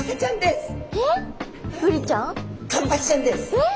えっ？